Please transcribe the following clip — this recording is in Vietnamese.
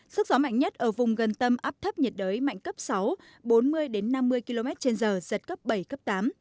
sức gió mạnh nhất ở vùng gần tâm áp thấp nhiệt đới mạnh cấp sáu bốn mươi năm mươi km trên giờ giật cấp bảy cấp tám